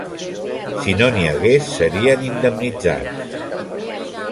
Si no n'hi hagués, serien indemnitzats.